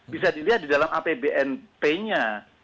bisa dilihat di dalam apbnp nya